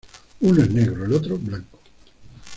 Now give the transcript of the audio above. Uno es negro, el otro blanco.